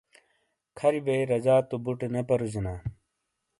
کھَری بئیی رجا تو بُٹے نے پرُوجینا۔